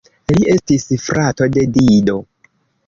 Li estis frato de Dido.